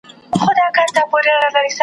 زه تر شمعې سینه وړمه له پیمان سره همزولی .